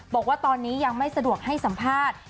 บอกว่าตอนนี้ยังไม่สะดวกให้สัมภาษณ์